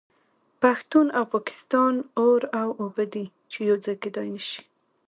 پښتون او پاکستان اور او اوبه دي چې یو ځای کیدای نشي